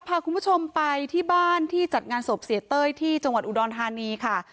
พาคุณผู้ชมไปที่บ้านที่จัดงานศพเสียเต้ยที่จังหวัดอุดรธานีค่ะ